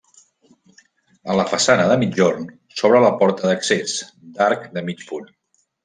A la façana de migjorn s'obre la porta d'accés, d'arc de mig punt.